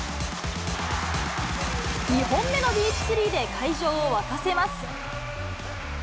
２本目のディープスリーで会場を沸かせます。